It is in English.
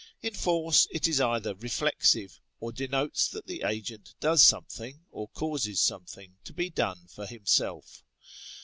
In force, it is either reflexive, or denotes that the agent does something or causes something to be done for himself.